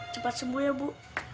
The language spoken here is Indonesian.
cepat sembuh ya bu